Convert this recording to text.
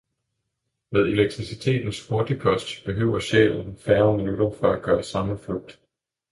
med elektricitetens hurtigpost behøver sjælen færre minutter, for at gøre samme flugt.